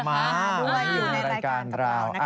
มาด้วยอยู่ในรายการเรา